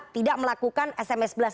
tidak melakukan sms belas